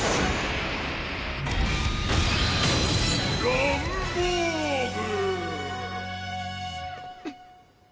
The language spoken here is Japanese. ランボーグ！